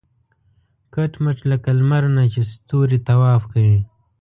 کټ مټ لکه لمر نه چې ستوري طواف کوي.